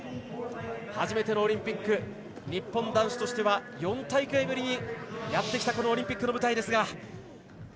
初めてのオリンピック日本男子としては４大会ぶりにやってきたオリンピックの舞台ですが。